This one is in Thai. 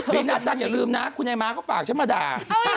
บีนอาจารย์อย่าลืมน่ะคุณแอม้าเขาฝากฉันมาด่า